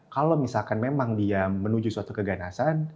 kalau misalkan memang dia menuju suatu keganasan